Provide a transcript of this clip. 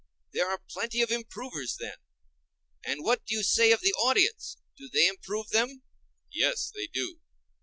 There are plenty of improvers, then. And what do you say of the audience,—do they improve them? Yes, they do.